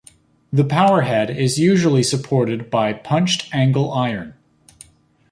The power head is usually supported by punched angle iron.